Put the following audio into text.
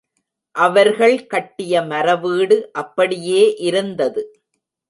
அவர்கள் கட்டிய மரவீடு அப்படியே இருந்தது.